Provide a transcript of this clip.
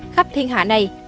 khắp thiên hạ này